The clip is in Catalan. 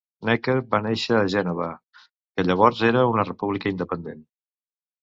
Necker va néixer a Gènova, que llavors era una república independent.